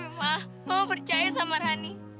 tapi ma mama percaya sama rani